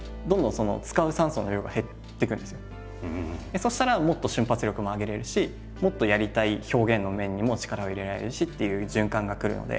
そうしたらもっと瞬発力も上げれるしもっとやりたい表現の面にも力を入れられるしという循環が来るので。